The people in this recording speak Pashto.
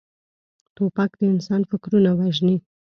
توپک د انسان فکرونه وژني.